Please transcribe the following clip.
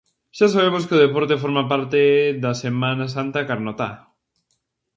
Xa sabemos que o deporte forma parte da Semana Santa carnotá.